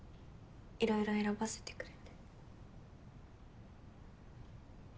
いろいろ選ばせてくれて。